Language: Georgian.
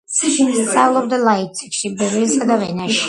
სწავლობდა ლაიფციგში, ბერლინსა და ვენაში.